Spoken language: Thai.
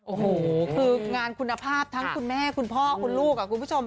โอ้โหคืองานคุณภาพทั้งคุณแม่คุณพ่อคุณลูกคุณผู้ชม